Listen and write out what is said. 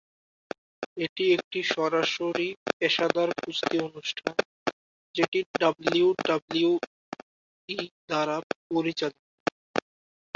এটি একটি সরাসরি পেশাদার কুস্তি অনুষ্ঠান, যেটি ডাব্লিউডাব্লিউই দ্বারা পরিচালিত।